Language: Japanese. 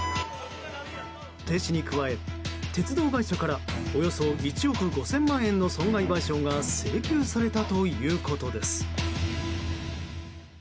停止に加え、鉄道会社からおよそ１億５０００万円の損害賠償が請求されたということです。